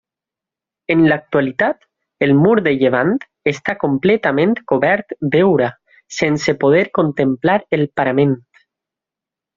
En l'actualitat, el mur de llevant està completament cobert d'heura, sense poder contemplar el parament.